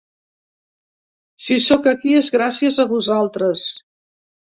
'Si sóc aquí és gràcies a vosaltres'.